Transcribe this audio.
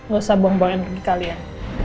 gak usah buang buang energi kalian